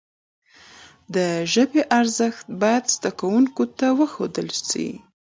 د ژبي ارزښت باید زدهکوونکو ته وښودل سي.